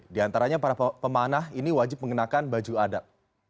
di antaranya para pemanah ini wajib mengenakan baju adat